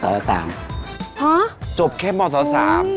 ฮาะโอ้โฮ่สิจบแค่มศ๓